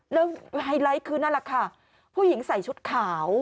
แล้วไฮไลท์คือนั่นแหละค่ะผู้หญิงใส่ชุดขาว